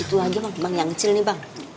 itu aja bang yang kecil nih bang